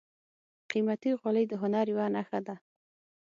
قیمتي غالۍ د هنر یوه نښه ده.